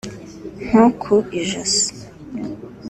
nko ku ijosi